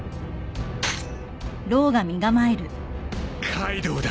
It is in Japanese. カイドウだ。